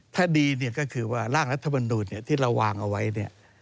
ถ้าดีเนี่ยก็คือว่าร่างรัฐมนูลที่เราวางเอาไว้เนี่ย